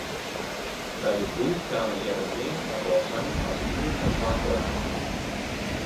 By de boei kamen Hearrenfean en Wâldsein as ien en twa om.